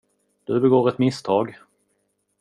Du begår ett misstag.